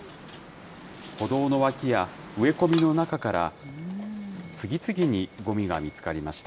歩道の脇や植え込みの中から、次々にごみが見つかりました。